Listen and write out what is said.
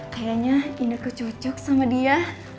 kayaknya ineke cocok sama dia